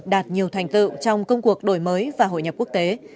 đạt nhiều thành tựu trong công cuộc đổi mới và hội nhập quốc tế